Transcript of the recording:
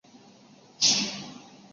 朱一龙